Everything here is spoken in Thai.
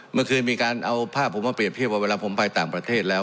เมื่อคืนมีการเอาภาพผมมาเรียบเทียบว่าเวลาผมไปต่างประเทศแล้ว